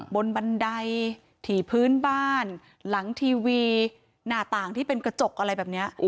บันไดถี่พื้นบ้านหลังทีวีหน้าต่างที่เป็นกระจกอะไรแบบนี้